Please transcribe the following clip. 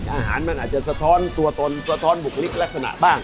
อาหารมันอาจจะสะท้อนตัวตนสะท้อนบุคลิกลักษณะบ้าง